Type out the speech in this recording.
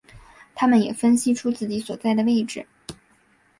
他们也分析出自己所在的位置。